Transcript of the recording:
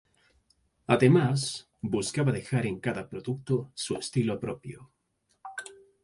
Además, buscaba dejar en cada producto su estilo propio.